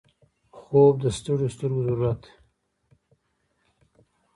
خوب د ستړیو سترګو ضرورت دی